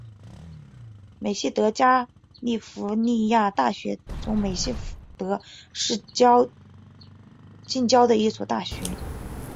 美熹德加利福尼亚大学中美熹德市近郊的一所大学。